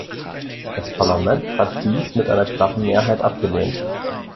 Das Parlament hat dies mit einer knappen Mehrheit abgelehnt.